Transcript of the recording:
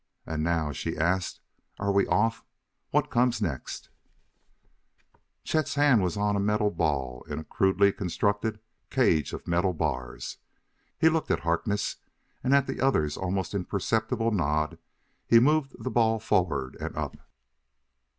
"And now," she asked, "are we off? What comes next?" Chet's hand was on a metal ball in a crudely constructed cage of metal bars. He looked at Harkness, and, at the other's almost imperceptible nod, he moved the ball forward and up.